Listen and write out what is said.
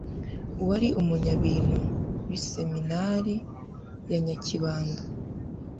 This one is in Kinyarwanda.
wari umunyabintu b'iseminari ya nyakibanda